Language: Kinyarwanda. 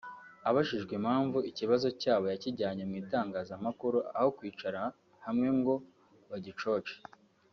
abajijwe impamvu ikibazo cyabo yakijyanye mu itangazamakuru aho kwicara hamwe ngo bagicoce